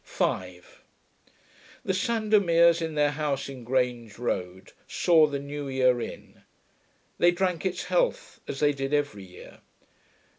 5 The Sandomirs, in their house in Grange Road, saw the new year in. They drank its health, as they did every year.